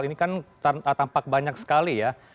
ini kan tampak banyak sekali ya